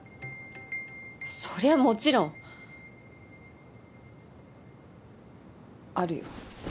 そりゃもちろんあるよ。